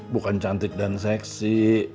bukan cantik dan seksi